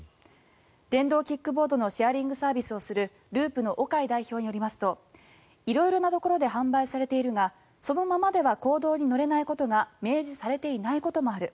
電動キックボードのシェアリングサービスをするＬｕｕｐの岡井代表によりますと色々なところで販売されているがそのままでは公道に乗れないことが明示されていないこともある。